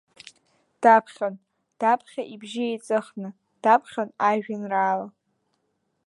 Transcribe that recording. Даԥхьон, даԥхьа, ибжьы еиҵыхны, даԥхьон ажәеинраала.